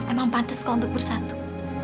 emang pantes kau untuk bersatu